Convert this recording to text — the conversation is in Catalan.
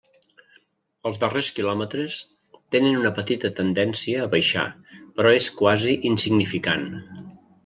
Els darrers quilòmetres tenen una petita tendència a baixar, però és quasi insignificant.